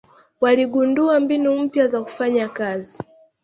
Waligundua mbinu mpya za kufanya kazi